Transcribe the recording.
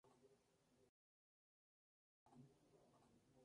A la salida, pararon e incendiaron un camión cargado de harina y tabaco.